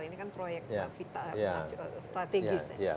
ini kan proyek strategis